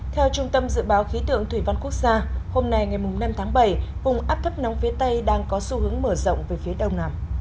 theo trung tâm dự báo khí tượng thủy văn quốc gia hôm nay ngày năm tháng bảy vùng áp thấp nóng phía tây đang có xu hướng mở rộng về phía đông nam